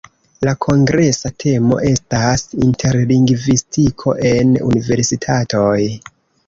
La kongresa temo estas: "Interlingvistiko en universitatoj".